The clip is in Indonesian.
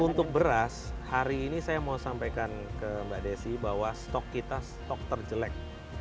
untuk beras hari ini saya mau sampaikan ke mbak desi bahwa stok kita stok terjelek